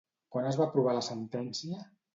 Quan es va aprovar la sentència?